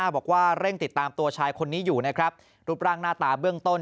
บอกว่าเร่งติดตามตัวชายคนนี้อยู่นะครับรูปร่างหน้าตาเบื้องต้น